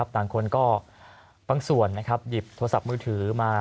ต่างคนก็บางส่วนหยิบโทรศัพท์มือถือมา